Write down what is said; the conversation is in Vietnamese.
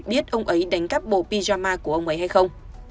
biết ông ấy đánh cắp bộ pijama của ông ấy hay không